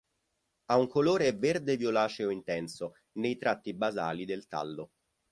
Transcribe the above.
Ha un colore verde violaceo intenso nei tratti basali del tallo.